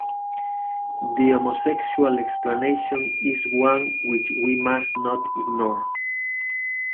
The homosexual explanation is one which we must not ignore.